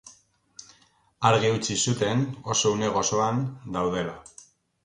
Argi utzi zuten oso une gozoan daudela.